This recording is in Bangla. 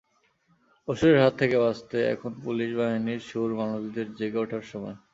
অসুরের হাত থেকে বাঁচতে এখন পুলিশ বাহিনীর সুর-মানুষদের জেগে ওঠার সময়।